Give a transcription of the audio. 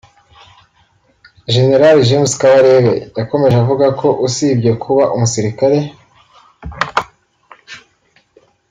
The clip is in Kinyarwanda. General James Kabarebe yakomeje avuga ko usibye kuba umusirikare